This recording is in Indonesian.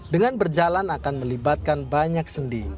dengan berjalan akan melibatkan banyak sendi